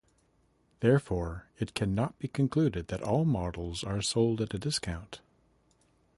Therefore, it cannot be concluded that all models are sold at a discount.